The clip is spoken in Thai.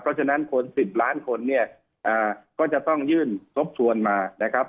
เพราะฉะนั้นคน๑๐ล้านคนเนี่ยก็จะต้องยื่นทบทวนมานะครับ